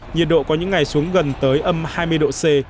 nhiệt độ có những ngày xuống gần tới âm hai mươi độ c